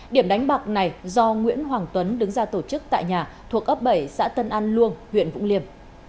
điểm đánh bạc này do nguyễn hoàng tuấn đứng ra tổ chức tại nhà thuộc ấp bảy xã tân an luông huyện vũng liêm